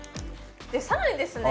さらにですね